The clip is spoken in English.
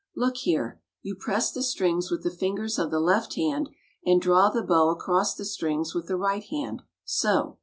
"'Look here; you press the strings with the fingers of the left hand, and draw the bow across the strings with the right hand, so.